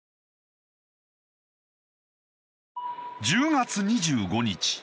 １０月２５日。